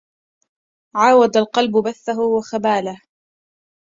عاود القلب بثه وخباله